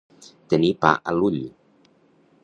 Tenir pa a l'ull.